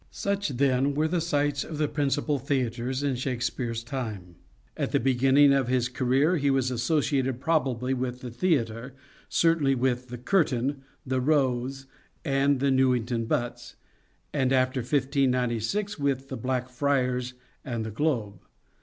Such, then, were the sites of the principal theatres in Shakespeare's time. At the beginning of his career he was associated probably with The Theatre, certainly with The Curtain, The Rose, and The Newington Butts, and after 1596 with The Black Friars and The Globe.